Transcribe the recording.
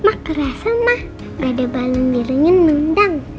mak kerasa mah gak ada balang birunya nundang